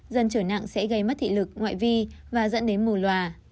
dân trở nặng sẽ gây mất thị lực ngoại vi và dẫn đến mù loà